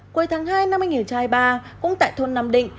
cuối tháng hai năm hai nghìn hai mươi ba cũng tại thôn nam định